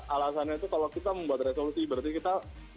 alasannya itu kalau kita membuat resolusi berarti kita